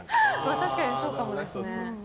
確かにそうかもですね。